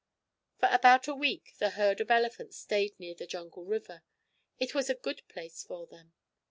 For about a week the herd of elephants stayed near the jungle river. It was a good place for them.